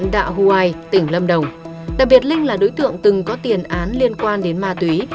đặc biệt linh là đối tượng từng có tiền án liên quan đến ma túy